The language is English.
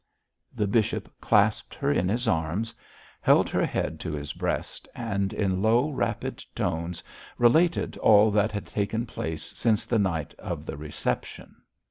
The bishop clasped her in his arms, held her head to his breast, and in low, rapid tones related all that had taken place since the night of the reception.